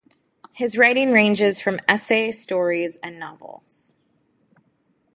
His writing ranges from essay, stories and novels.